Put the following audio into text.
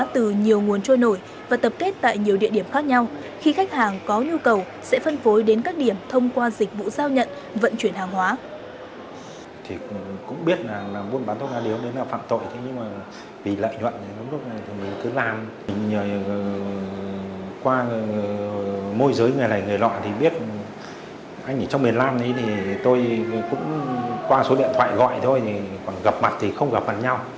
từ nhiều nguồn trôi nổi và tập kết tại nhiều địa điểm khác nhau khi khách hàng có nhu cầu sẽ phân phối đến các điểm thông qua dịch vụ giao nhận vận chuyển hàng hóa